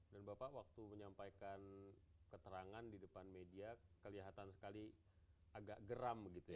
dan bapak waktu menyampaikan keterangan di depan media kelihatan sekali agak geram gitu ya